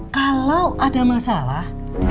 kalau ada masalah